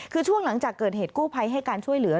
คือช่วงหลังจากเกิดเหตุกู้ภัยให้การช่วยเหลือ